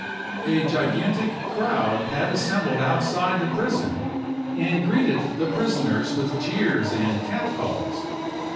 A gigantic crowd had assembled outside the prison, and greeted the prisoners with jeers and catcalls.